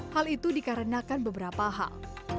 hal itu dikarenakan beberapa hal